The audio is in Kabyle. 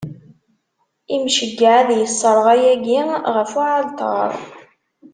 Imceyyeɛ ad isserɣ ayagi ɣef uɛalṭar.